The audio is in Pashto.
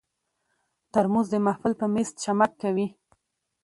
ترموز د محفل پر مېز چمک کوي.